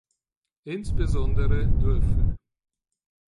Insbesondere dürfe